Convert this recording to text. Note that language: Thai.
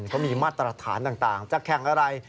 เขามีมาตรฐานต่างจะแข่งอะไร